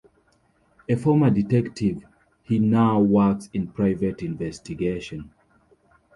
A former detective, he now works in private investigation.